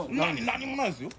何もないですよ